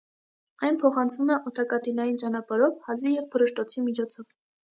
Այն փոխանցվում է օդակաթիլային ճանապարհով՝ հազի և փռշտոցի միջոցով։